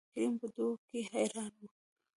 کريم په دو کې حيران وو.